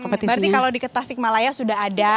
berarti kalau di tasik malaya sudah ada